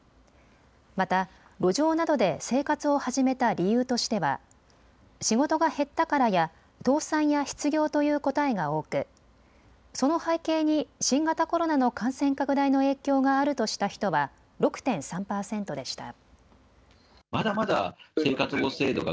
また、路上などで生活を始めた理由としては仕事が減ったからや倒産や失業という答えが多くその背景に新型コロナの感染拡大の影響があるとした人は６．３％でした。